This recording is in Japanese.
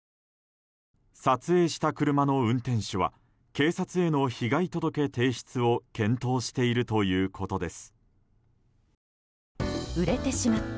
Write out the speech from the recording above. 撮影した車の運転手は警察への被害届提出を検討しているということです。